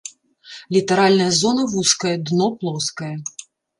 Літаральная зона вузкая, дно плоскае.